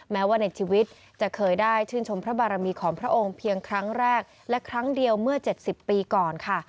แม้ว่าในชีวิตจะเคยได้ชื่นชมพระบารมีของพระองค์เพียงครั้งแรกและครั้งเดียวเมื่อ๗๐ปีก่อนค่ะ